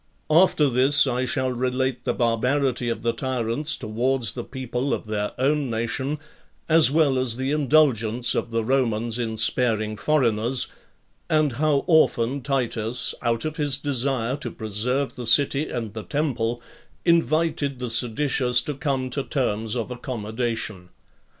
11. After this, I shall relate the barbarity of the tyrants towards the people of their own nation, as well as the indulgence of the Romans in sparing foreigners; and how often Titus, out of his desire to preserve the city and the temple, invited the seditious to come to terms of accommodation.